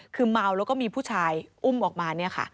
คือเมาแล้วก็มีผู้ชายอุ้มออกมา